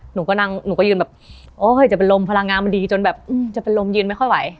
หนูก็นั่งหนูก็ยืนแบบโอ้เฮ้ยจะเป็นลมพลังงานมันดีจนแบบจะเป็นลมยืนไม่ค่อยไหว